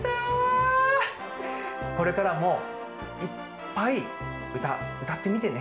これからもいっぱいうたうたってみてね。